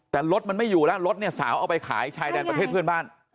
แต่รถมันไม่อยู่แล้วรถเนี่ยสาวเอาไปขายชายแดนประเทศเพื่อนบ้าน